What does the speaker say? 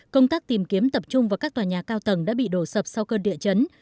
công tác tìm kiếm tập trung vào các tòa nhà cao tầng đã bị đổ sập sau cơn địa chấn